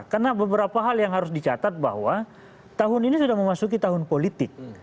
karena beberapa hal yang harus dicatat bahwa tahun ini sudah memasuki tahun politik